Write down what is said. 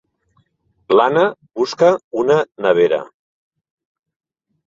L'Anna busca una nevera.